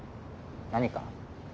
何か？